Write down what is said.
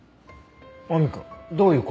亜美くんどういう事？